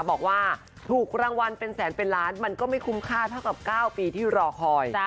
บอกว่าถูกรางวัลเป็นแสนเป็นล้านมันก็ไม่คุ้มค่าเท่ากับ๙ปีที่รอคอย